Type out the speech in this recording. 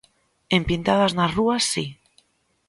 En pintadas nas rúas si.